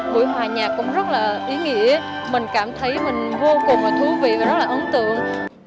buổi hòa nhạc cũng rất là ý nghĩa mình cảm thấy mình vô cùng là thú vị và rất là ấn tượng